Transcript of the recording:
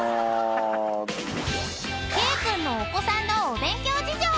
［圭君のお子さんのお勉強事情］